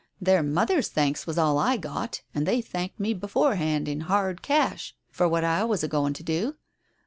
Their mothers' thanks was all I got, and they thanked me beforehand in hard cash for what I was a going to do.